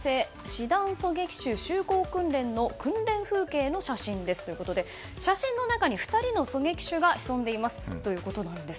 師団狙撃手集合訓練の訓練風景の写真ですということで写真の中に２人の狙撃手が潜んでいますということなんです。